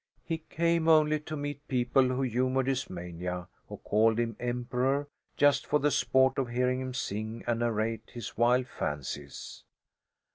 He came only to meet people who humoured his mania, who called him "Emperor" just for the sport of hearing him sing and narrate his wild fancies.